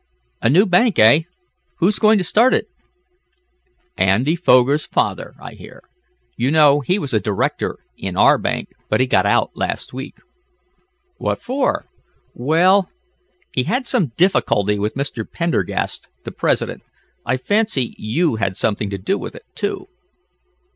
"A new bank, eh? Who's going to start it?" "Andy Foger's father, I hear. You know he was a director in our bank, but he got out last week." "What for?" "Well, he had some difficulty with Mr. Pendergast, the president. I fancy you had something to do with it, too."